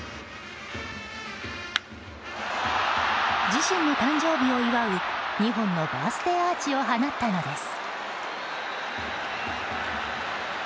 自身の誕生日を祝う２本のバースデーアーチを放ったのです。